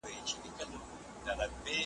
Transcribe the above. له هغو اوسنیو شعرونو سره `